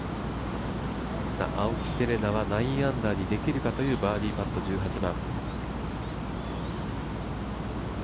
青木瀬令奈は９アンダーにできるかというバーディーパット、１８番。